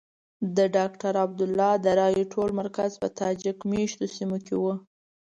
د ډاکټر عبدالله د رایو ټول مرکز په تاجک مېشتو سیمو کې وو.